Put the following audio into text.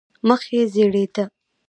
مخ یې زېړېده.